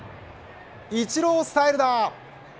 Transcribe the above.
イチロースタイルだ。